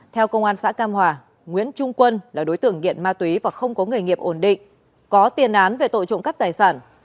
theo công an xã cam hòa nguyễn trung quân là đối tượng nghiện ma túy và không có nghề nghiệp ổn định có tiền án về tội trộm cắp tài sản